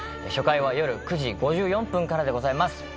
初回は夜９時５４分からでございます。